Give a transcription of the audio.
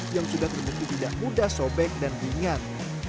yang sudah terbukti tidak mudah sobek dan ringan